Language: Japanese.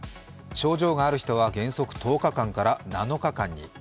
症状がある人は原則、１０日間から７日間に。